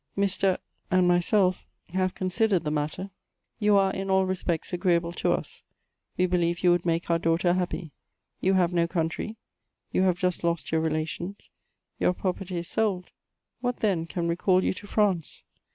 Mr. and myself have ccm sidered the matter ; you are in all respects agreeable to us ; we believe you woola make our daughter happy. Yon ha; ve no country ; you have just lost your relations : your property is sold, what then can recal you to France?